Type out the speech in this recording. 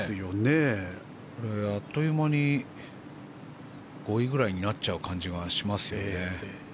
これあっという間に５位くらいになっちゃう感じがしますよね。